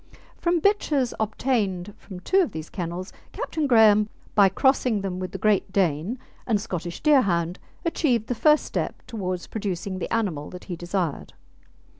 From bitches obtained from two of these kennels, Captain Graham, by crossing them with the Great Dane and Scottish Deerhound, achieved the first step towards producing the animal that he desired.